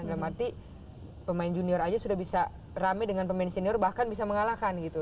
dalam arti pemain junior aja sudah bisa rame dengan pemain senior bahkan bisa mengalahkan gitu